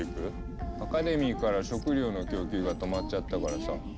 アカデミーから食料の供給が止まっちゃったからさ